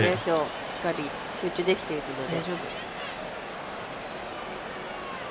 しっかり集中できているので。